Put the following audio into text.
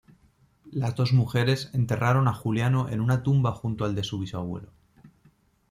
Las dos mujeres enterraron a Juliano en una tumba junto al de su bisabuelo.